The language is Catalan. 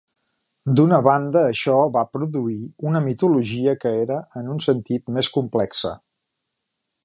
D'una banda, això va produir una mitologia que era, en un sentit, més complexa.